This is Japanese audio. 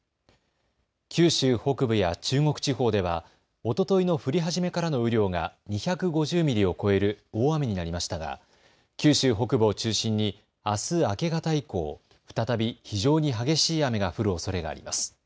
九州北部や中国地方ではおとといの降り始めからの雨量が２５０ミリを超える大雨になりましたが九州北部を中心にあす明け方以降、再び非常に激しい雨が降るおそれがあります。